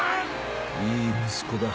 いい息子だ。